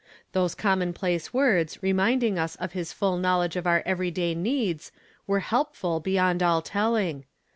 Those commonplace words reiniiiding us of his full knowledge of our every day needs were helpful beyond all telling.